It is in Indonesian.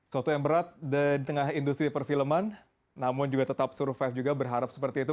suatu yang berat di tengah industri perfilman namun juga tetap survive juga berharap seperti itu